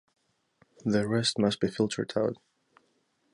The rest must be filtered out.